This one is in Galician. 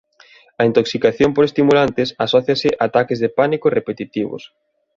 A intoxicación por estimulantes asóciase a ataques de pánico repetitivos.